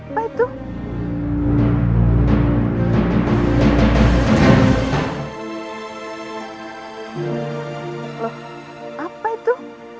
loh apa itu